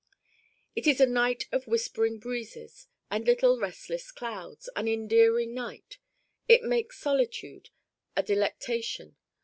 It is a night of whispering breezes and little restless clouds, an endearing night. It makes solitude a delectation.